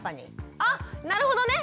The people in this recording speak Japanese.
あっなるほどね！